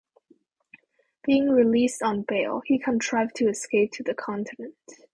Being released on bail, he contrived to escape to the Continent.